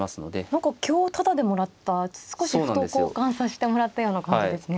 何か香をタダでもらった少し歩と交換させてもらったような感じですね。